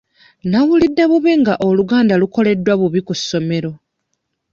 Nnawulidde bubi nga Oluganda lukoleddwa bubi ku ssomero.